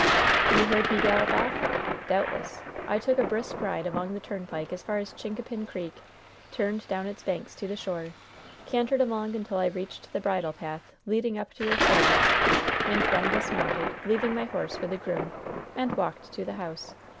"You heard me gallop off? Doubtless. I took a brisk ride along the turnpike as far as Chincapin Creek, turned down its banks to the shore, cantered along until I reached the bridle path leading up to your stables, and then dismounted, leaving my horse with the groom, and walked to the house.